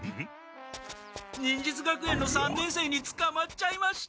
忍術学園の三年生につかまっちゃいました。